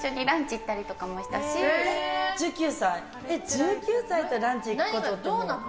１９歳とランチ行くことって。